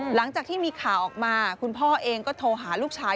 หลังจากที่มีข่าวออกมาคุณพ่อเองก็โทรหาลูกชาย